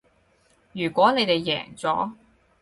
如果你哋贏咗